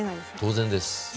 当然です。